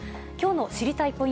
きょうの知りたいッ！